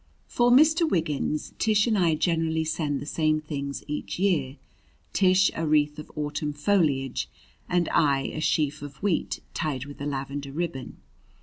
For Mr. Wiggins Tish and I generally send the same things each year Tish a wreath of autumn foliage and I a sheaf of wheat tied with a lavender ribbon.